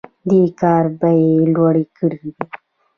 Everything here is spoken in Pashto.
دې کار بیې لوړې کړي دي.